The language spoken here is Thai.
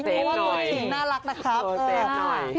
รู้ว่าตัวจริงน่ารักนะครับ